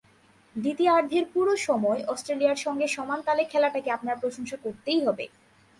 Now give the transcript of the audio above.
দ্বিতীয়ার্ধের পুরো সময় অস্ট্রেলিয়ার সঙ্গে সমান তালে খেলাটাকে আপনার প্রশংসা করতেই হবে।